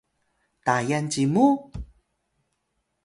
Tayal cimu?